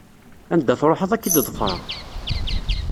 Anda truḥeḍ ad k-id-ḍefreɣ.